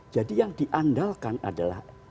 jadi yang diandalkan adalah